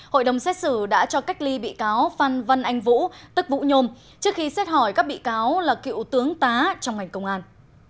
hội đồng xét xử đã cho cách ly bị cáo phan văn anh vũ tức vũ nhôm trước khi xét hỏi các bị cáo là cựu tướng tá trong ngành công an